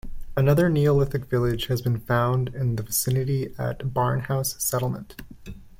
Another Neolithic village has been found in the vicinity at Barnhouse Settlement.